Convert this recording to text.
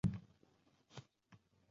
“Toshkent” klubining yosh xokkeychilari